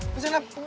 gua jangan nangis